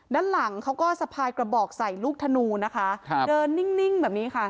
ด้านหลังเขาก็สะพายกระบอกใส่ลูกธนูนะคะเดินนิ่งแบบนี้ค่ะ